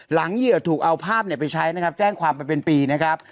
เหยื่อถูกเอาภาพไปใช้นะครับแจ้งความไปเป็นปีนะครับ